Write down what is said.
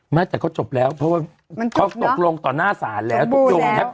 ไม่แต่เขาจบแล้วเพราะว่าเขาตกลงต่อหน้าสารแล้วจบบูนแล้ว